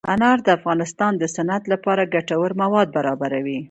انار د افغانستان د صنعت لپاره ګټور مواد برابروي.